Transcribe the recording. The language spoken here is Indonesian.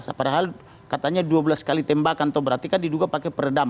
sampai hal katanya dua belas kali tembakan atau berarti kan diduga pakai peredam